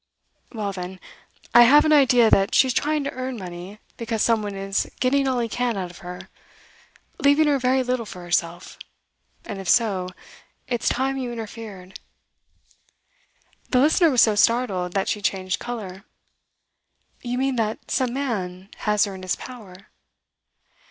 'Well then, I have an idea that she's trying to earn money because some one is getting all he can out of her leaving her very little for herself; and if so, it's time you interfered.' The listener was so startled that she changed colour. 'You mean that some man has her in his power?